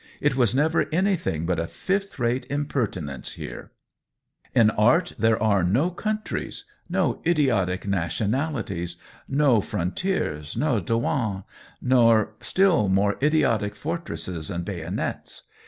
It was never any thing but a fifth rate impertinence here. In art there are no countries — no idiotic nationalities, no frontiers, nor douanes, nor still more idiotic fortresses and bayonets.